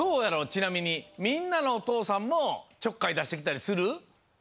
ちなみにみんなのおとうさんもちょっかいだしてきたりする？